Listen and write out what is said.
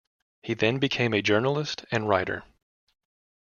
He then became a journalist and writer.